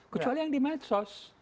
kecuali yang di medsos